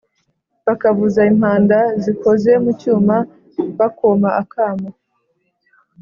bakavuza impanda zikoze mu cyuma, bakoma akamo,